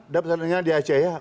dapatannya di aceh ya